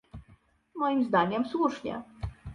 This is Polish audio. Moim zdaniem słusznie